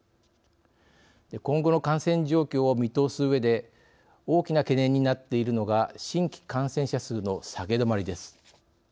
今後の感染状況を見通すうえで大きな懸念になっているのが新規感染者数の下げ止まりです。